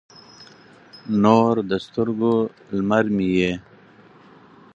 نور د سترګو، لمر مې یې